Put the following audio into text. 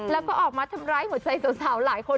แล้วก็ออกมาทำร้ายหัวใจสาวหลายคน